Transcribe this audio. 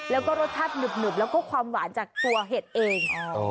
แล้วก็รสชาติหนุบแล้วก็ความหวานจากตัวเห็ดเอง